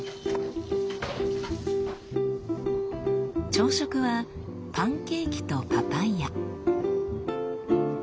朝食はパンケーキとパパイヤ。